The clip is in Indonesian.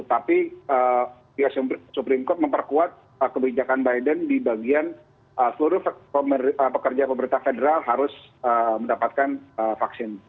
tapi us supreme court memperkuat kebijakan biden di bagian seluruh pekerja pemerintah federal harus mendapatkan vaksin